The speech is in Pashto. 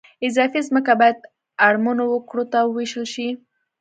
اضافي ځمکه باید اړمنو وګړو ته ووېشل شي